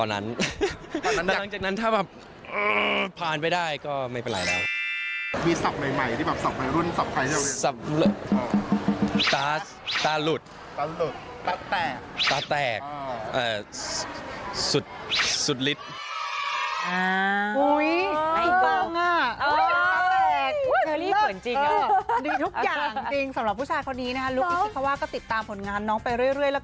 นั่งจากนั้นถ้าผ่านไปได้ก็ไม่เป็นไรแล้ว